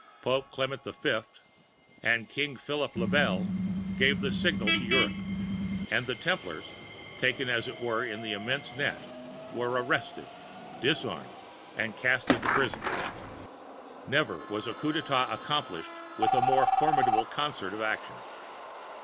] Pope Clement V. and King Philip le Bel gave the signal to Europe, and the Templars, taken as it were in an immense net, were arrested, disarmed, and cast into prison. Never was a Coup d'├ētat accomplished with a more formidable concert of action.